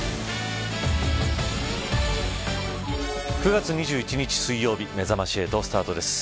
９月２１日水曜日めざまし８スタートです。